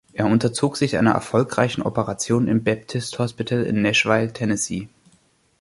Er unterzog sich einer erfolgreichen Operation im Baptist Hospital in Nashville, Tennessee.